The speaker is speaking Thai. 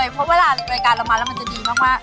เข้าไปมารายการเราว่ามันไม่จะดีมาก